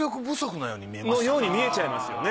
のように見えちゃいますよね。